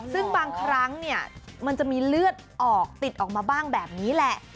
ซึ่งบางครั้งเนี่ยมันจะมีเลือดออกติดออกมาบ้างแบบนี้แหละ